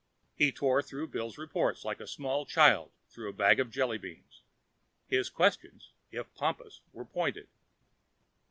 He tore through Bill's reports like a small child through a bag of jellybeans. His questions, if pompous, were pointed.